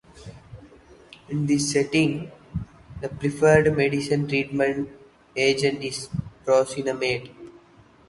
In this setting, the preferred medication treatment agent is procainamide.